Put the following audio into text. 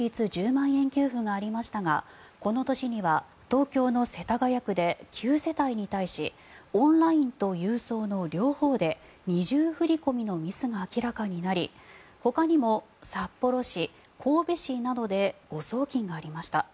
１０万円給付がありましたがこの年には東京の世田谷区で９世帯に対しオンラインと郵送の両方で二重振り込みのミスが明らかになりほかにも札幌市、神戸市などで誤送金がありました。